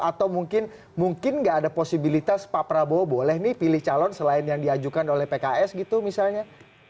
atau mungkin nggak ada posibilitas pak prabowo boleh nih pilih calon selain yang diajukan oleh pks gitu misalnya